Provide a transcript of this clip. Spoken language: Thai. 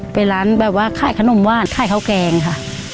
เป็นร้านค่ายขนมว่านค่ายข้าวแกงค่ะ